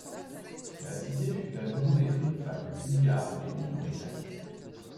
La cité fut à nouveau détruite par les Bulgares au début du Moyen Âge.